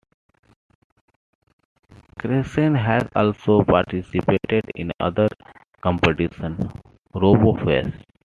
Crescent has also participated in another competition, RoboFest.